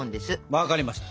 分かりました！